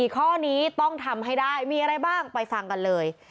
ข้อนี้ต้องทำให้ได้มีอะไรบ้างไปฟังกันเลย